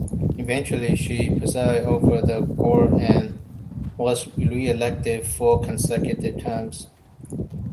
Eventually she presided over the court and was reelected four consecutive times.